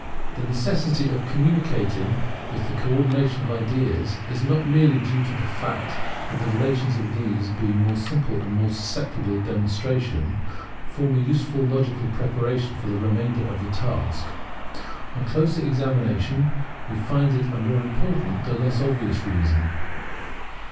The necessity of commencing with the co ordination of ideas is not merely due to the fact that the relations of these, being more simple and more susceptible of demonstration, form a useful logical preparation for the remainder of the task. On closer examination we find a more important, though less obvious reason.